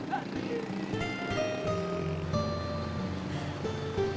pak pak pak